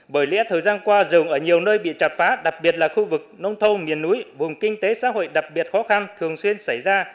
bởi lẽ thời gian qua rừng ở nhiều nơi bị chặt phá đặc biệt là khu vực nông thôn miền núi vùng kinh tế xã hội đặc biệt khó khăn thường xuyên xảy ra